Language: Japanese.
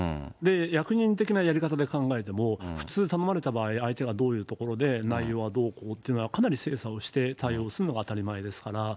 役人的なやり方で考えても、普通頼まれた場合、相手がどういうところで内容はどうこうというのはかなり精査をして対応するのが当たり前ですから。